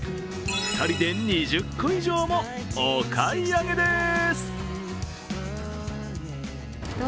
２人で２０個以上もお買い上げです。